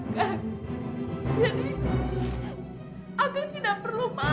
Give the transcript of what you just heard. jadi kang tidak perlu malu